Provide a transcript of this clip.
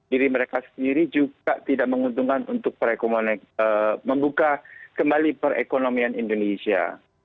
diri mereka sendiri juga tidak menguntungkan untuk membuka kembali perekonomian indonesia